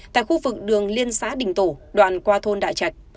tại khu vực đường liên xã đình tổ đoạn qua thôn đại trạch